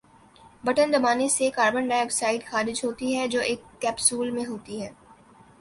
Button دبانے سے carbon dioxide خارج ہوتی ہے جو ایک کیپسول میں ہوتی ہے۔